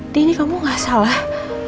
di ini kamu gak salah